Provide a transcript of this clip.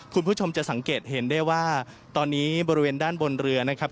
คุณผู้ชมจะสังเกตเห็นได้ว่าตอนนี้บริเวณด้านบนเรือนะครับ